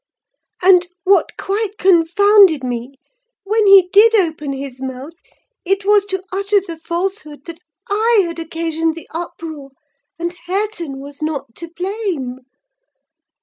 And what quite confounded me, when he did open his mouth, it was to utter the falsehood that I had occasioned the uproar, and Hareton was not to blame!